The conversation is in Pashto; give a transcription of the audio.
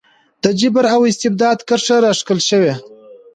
د جبر او استبداد کرښه راښکل شوه.